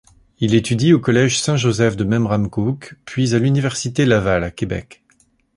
Il étudie au Collège Saint-Joseph de Memramcook puis à l'Université Laval, à Québec.